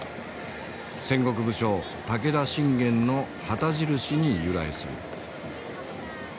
戦国武将武田信玄の旗印に由来する。